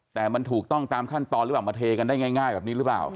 แต่มันถูกต้องตามขั้นตอนหรือเปล่ามาเทกันได้ง่ายแบบนี้หรือเปล่า